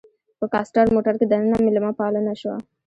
په کاسټر موټر کې دننه میلمه پالنه شوه.